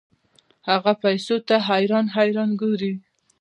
هغه پیسو ته حیران حیران ګوري.